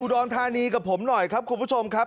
รธานีกับผมหน่อยครับคุณผู้ชมครับ